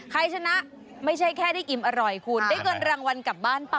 ใครชนะไม่ใช่แค่ได้อิ่มอร่อยคุณได้เงินรางวัลกลับบ้านเปล่า